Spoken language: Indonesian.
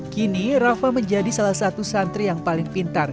kini rafa menjadi salah satu santri yang paling pintar